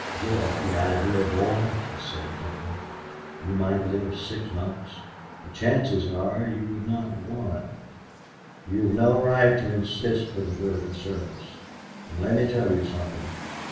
"Give up the idea, boy," he said gently. "You might live six months. The chances are you would not one. You have no right to insist for the good of the service. And let me tell you something.